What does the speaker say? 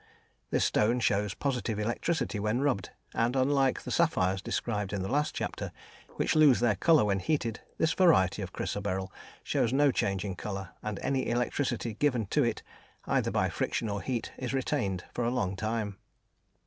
This stone shows positive electricity when rubbed, and, unlike the sapphires described in the last chapter, which lose their colour when heated, this variety of chrysoberyl shows no change in colour, and any electricity given to it, either by friction or heat, is retained for a long time.